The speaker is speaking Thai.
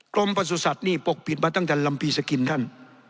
ประสุทธิ์นี่ปกปิดมาตั้งแต่ลำปีสกินท่าน